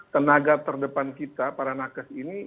tenaga terdepan kita para nakes ini